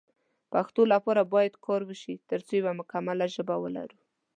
پښتو لپاره باید کار وشی ترڅو یو مکمله ژبه ولرو